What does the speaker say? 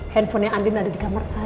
handphonenya andin ada di kamar saya